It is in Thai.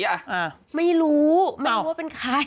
อ่าไม่รู้ไม่รู้ว่าเป็นใคร